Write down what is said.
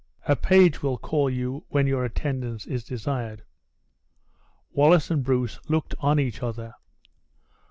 "A page will call you when your attendance is desired." Wallace and Bruce looked on each other.